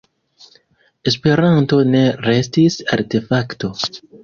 Esperanto ne restis artefakto.